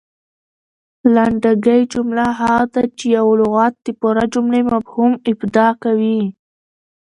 لنډکۍ جمله هغه ده، چي یو لغت د پوره جملې مفهوم افاده کوي.